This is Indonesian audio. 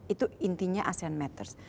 itu intinya asean matters